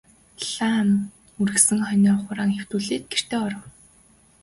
Маам үргэсэн хонио хураан хэвтүүлээд гэртээ оров.